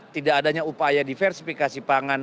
tidak adanya upaya diversifikasi pangan